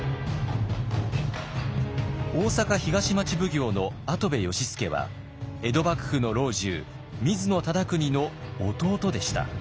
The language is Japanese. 大坂東町奉行の跡部良弼は江戸幕府の老中水野忠邦の弟でした。